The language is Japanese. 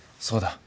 そうだ。